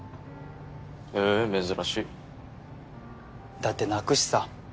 へぇ珍しいだって泣くしさ